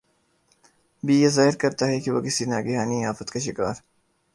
بھی یہ ظاہر کرتا ہے کہ وہ کسی ناگہانی آفت کا شکار